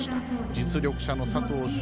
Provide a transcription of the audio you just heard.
実力者の佐藤翔